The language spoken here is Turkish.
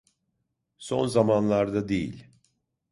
Son zamanlarda değil.